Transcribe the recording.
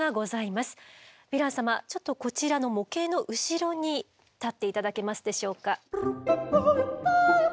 ちょっとこちらの模型の後ろに立って頂けますでしょうか。